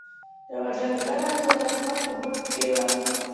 يوه ډنګره توره پښه په بوټ کښې وه.